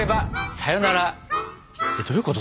えっどういうこと？